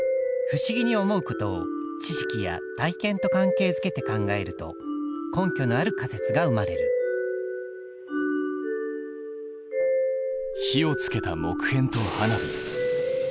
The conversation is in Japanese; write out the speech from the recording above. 不思議に思うことを知識や体験と関係づけて考えると根拠のある仮説が生まれる火をつけた木片と花火。